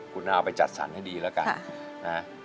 คุณนาจะเอาไปจัดสรรให้ดีละกัน